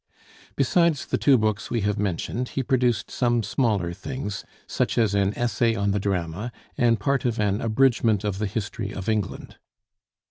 Besides the two books we have mentioned, he produced some smaller things, such as an 'Essay on the Drama,' and part of an 'Abridgment of the History of England.'